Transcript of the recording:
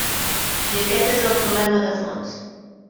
I aquest és el problema de fons.